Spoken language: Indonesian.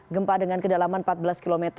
gempa dengan kedalaman empat belas km